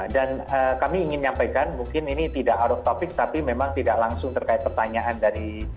dan kami ingin menyampaikan mungkin ini tidak out of topic tapi memang tidak langsung terkait pertanyaan dari yang disampaikan tadi